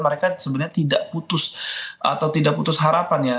mereka sebenarnya tidak putus atau tidak putus harapan ya